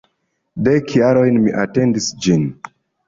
Dek jarojn mi atendis ĝin!